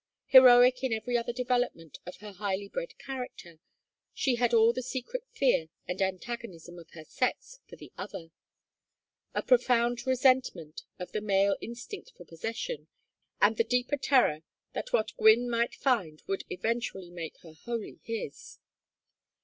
Heroic in every other development of her highly bred character, she had all the secret fear and antagonism of her sex for the other, a profound resentment of the male instinct for possession, and the deeper terror that what Gwynne might find would eventually make her wholly his.